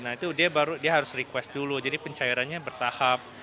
nah itu dia harus request dulu jadi pencairannya bertahap